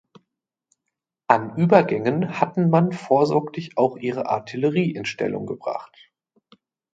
An Übergängen hatten man vorsorglich auch ihre Artillerie in Stellung gebracht.